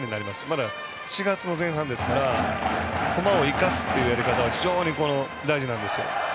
まだ４月の前半ですから駒を生かすやり方は非常に大事なんです。